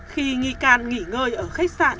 khi nghi can nghỉ ngơi ở khách sạn